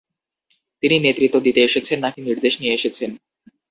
তিনি নেতৃত্ব দিতে এসেছেন নাকি নির্দেশ নিয়ে এসেছেন।